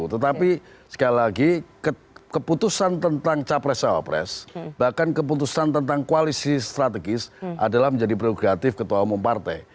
tetapi sekali lagi keputusan tentang capres cawapres bahkan keputusan tentang koalisi strategis adalah menjadi prerogatif ketua umum partai